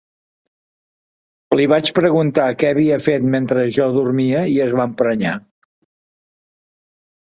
Li vaig preguntar què havia fet mentre jo dormia i es va emprenyar.